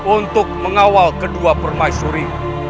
untuk mengawal kedua permaisuri